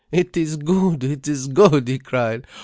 "It is good, it is good!" he cried.